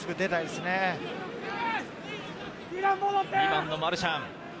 ２番のマルシャン。